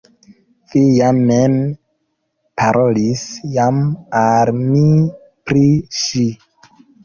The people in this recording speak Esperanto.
Vi ja mem parolis jam al mi pri ŝi!